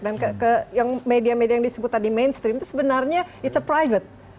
dan media media yang disebut tadi mainstream itu sebenarnya private